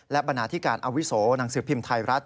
และบรรณาธิการอาวุโสหนังสือพิมพ์ไทยรัฐ